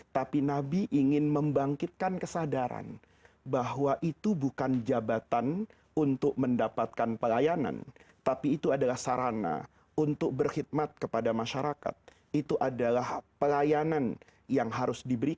tidak bisa tidur